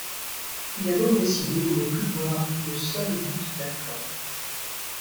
Il a donc décidé de ne plus boire une seule goutte d'alcool.